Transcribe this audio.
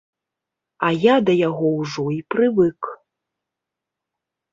А я да яго ўжо і прывык.